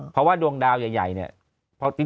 เพราะว่าดวงดาวใหญ่เนี่ย